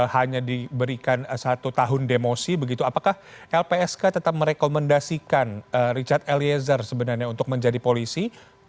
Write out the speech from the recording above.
hanya diberikan satu tahun demosi begitu apakah lpsk tetap merekomendasikan richard eliezer sebenarnya untuk menjadi polisi